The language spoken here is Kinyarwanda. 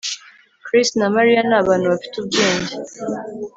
Chris na Mariya ni abantu bafite ubwenge